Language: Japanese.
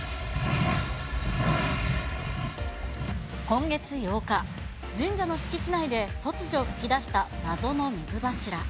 今月８日、神社の敷地内で突如噴き出した謎の水柱。